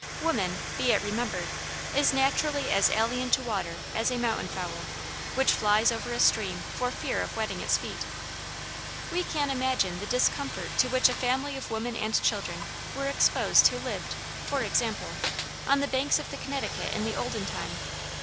Woman, be it remembered, is naturally as alien to water as a mountain fowl, which flies over a stream for fear of wetting its feet. We can imagine the discomfort to which a family of women and children were exposed who lived, for example, on the banks of the Connecticut in the olden time.